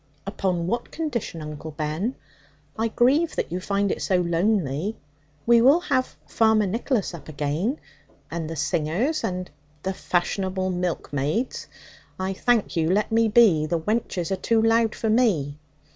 'Upon what condition, Uncle Ben? I grieve that you find it so lonely. We will have Farmer Nicholas up again, and the singers, and ' 'The fashionable milkmaids. I thank you, let me be. The wenches are too loud for me.